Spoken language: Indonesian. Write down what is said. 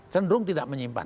cenderung tidak menyimpan